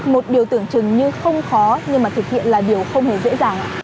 một điều tưởng chừng như không khó nhưng mà thực hiện là điều không hề dễ dàng ạ